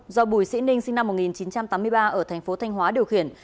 do bùi sĩ ninh sinh năm một nghìn chín trăm tám mươi ba ở tp thanh hóa điều khiển